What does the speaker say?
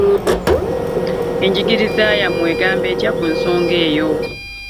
Enjigiriza yammwe wgamba etya ku nsonga eyo?